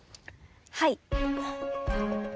はい。